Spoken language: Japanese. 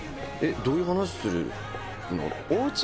「えっどういう話するの？」